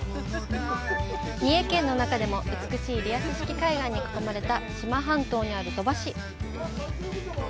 三重県の中でも、美しいリアス式海岸に囲まれた志摩半島にある鳥羽市。